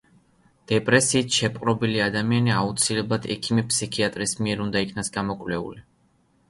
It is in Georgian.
დეპრესიით შეპყრობილი ადამიანი აუცილებლად ექიმი–ფსიქიატრის მიერ უნდა იქნას გამოკვლეული.